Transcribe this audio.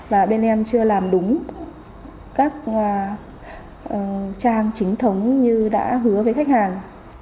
và bên em chưa làm đúng các trang chính thống như đã hứa với khách hàng